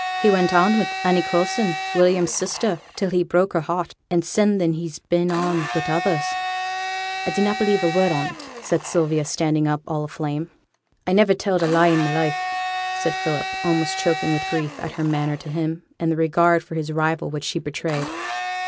He went on wi' Annie Coulson, William's sister, till he broke her heart; and sin then he's been on wi' others.' 'I dunnot believe a word on 't,' said Sylvia, standing up, all aflame. 'I niver telled a lie i' my life,' said Philip, almost choking with grief at her manner to him, and the regard for his rival which she betrayed.